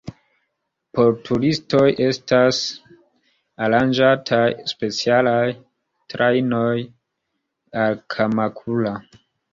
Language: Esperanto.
Por turistoj estas aranĝataj specialaj trajnoj al Kamakura.